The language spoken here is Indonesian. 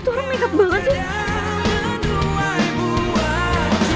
tuh orang makeup banget sih